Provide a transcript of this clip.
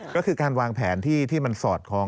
ก็คือการวางแผนที่มันสอดคล้อง